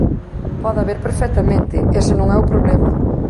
Pode haber perfectamente, ese non é o problema.